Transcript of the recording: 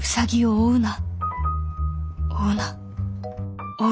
追うな。